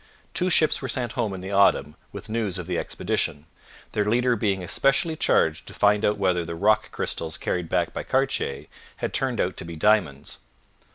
Two ships were sent home in the autumn with news of the expedition, their leader being especially charged to find out whether the rock crystals carried back by Cartier had turned out to be diamonds.